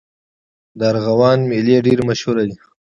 د ارغوان میلې ډېرې مشهورې دي.